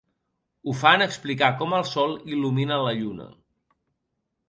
Ho fa en explicar com el Sol il·lumina la Lluna.